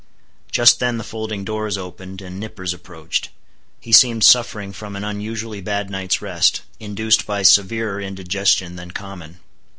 Just then the folding doors opened, and Nippers approached. He seemed suffering from an unusually bad night's rest, induced by severer indigestion than common.